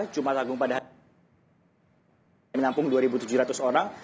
jumat agung pada hari ini menampung dua ribu tujuh ratus